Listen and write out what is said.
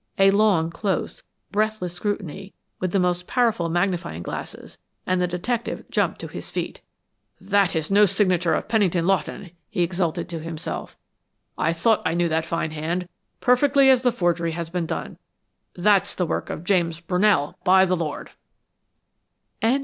A long, close, breathless scrutiny, with the most powerful magnifying glasses, and the detective jumped to his feet. "That's no signature of Pennington Lawton," he exulted to himself. "I thought I knew that fine hand, perfectly as the forgery has been done. That's the work of James Brunell, by the Lord!"